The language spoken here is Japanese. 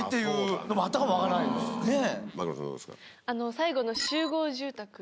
最後の集合住宅。